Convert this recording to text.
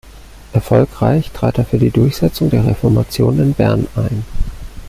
Erfolgreich trat er für die Durchsetzung der Reformation in Bern ein.